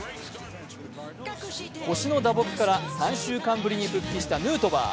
腰の打撲から３週間ぶりに復帰したヌートバー。